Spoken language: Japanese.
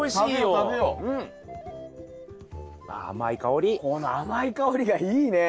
この甘い香りがいいね。